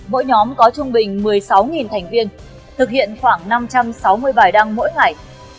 mỗi nhóm có trung bình một mươi sáu thành viên thực hiện khoảng năm trăm sáu mươi bài đăng mỗi ngày